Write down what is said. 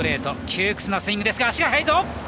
窮屈なスイングですが足が速いぞ。